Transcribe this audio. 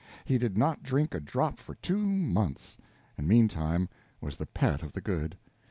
He did not drink a drop for two months, and meantime was the pet of the good.